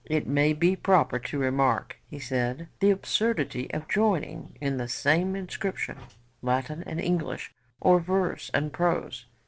'It may be proper to remark,' he said, 'the absurdity of joining in the same inscription Latin and English, or verse and prose.